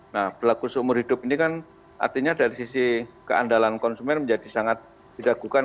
nah berlaku seumur hidup ini kan artinya dari sisi keandalan konsumen menjadi sangat diragukan